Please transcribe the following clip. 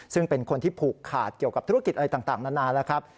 ซึ่งเป็นคนที่ผูกขาดเกี่ยวกับธุรกิจอะไรต่างนานแล้วครับ